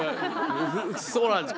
そうなんです。